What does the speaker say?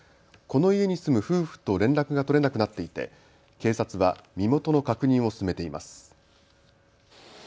この家に住む夫婦と連絡が取れなくなっていて警察は身元の確認を進めています。